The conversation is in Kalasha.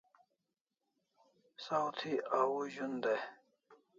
Saw thi au zun day